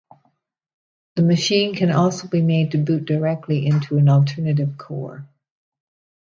The machine can also be made to boot directly into an alternative core.